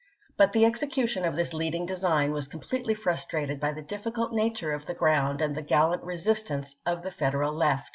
But the execution of this leading design was completely frustrated by the difficult nature of the ground and the gal lant resistance of the Federal left.